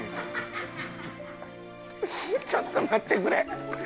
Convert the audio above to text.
ちょっと待ってくれ。